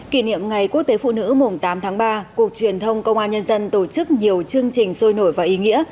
kỷ niệm ngày quốc tế phụ nữ mùng tám tháng ba cục truyền thông công an nhân dân tổ chức nhiều chương trình sôi nổi và ý nghĩa